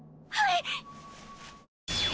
はい！